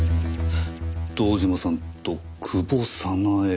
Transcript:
堂島さんと「久保早苗」。